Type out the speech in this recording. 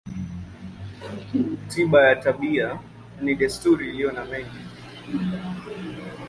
Tiba ya tabia ni desturi iliyo na mengi.